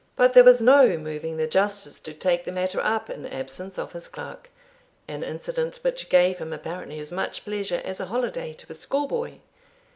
But there was no moving the Justice to take the matter up in absence of his clerk, an incident which gave him apparently as much pleasure as a holiday to a schoolboy.